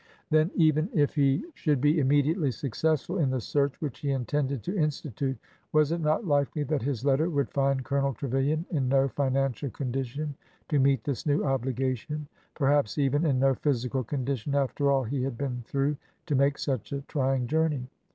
Then, even if he should be immediately successful in the search which he intended to institute, was it not likely that his letter would find Colonel Trevilian in no financial condition to meet this new obligation,— perhaps even in no physical condition, after all he had been through, to make such a trying journey.